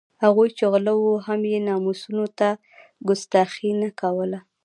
هغوی چې غله وو هم یې ناموسونو ته کستاخي نه کوله.